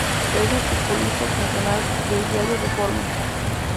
Es articulista quincenal del diario Reforma.